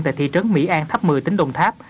tại thị trấn mỹ an tháp mười tính đồng tháp